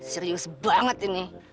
serius banget ini